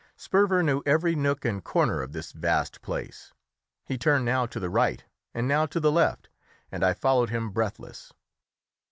Sperver knew every nook and corner of this vast place. He turned now to the right and now to the left, and I followed him breathless.